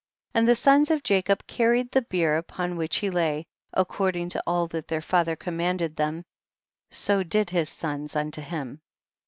35. And the sons of Jacob carried the bier upon which he lay ; accord ing to all that their father commanded them, so did his sons unto him.